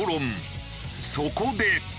そこで。